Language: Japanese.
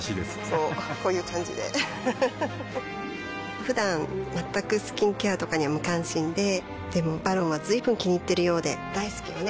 こうこういう感じでうふふふだん全くスキンケアとかに無関心ででも「ＶＡＲＯＮ」は随分気にいっているようで大好きよね